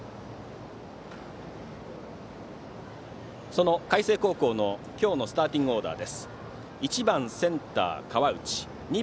その海星高校の今日のスターティングオーダー。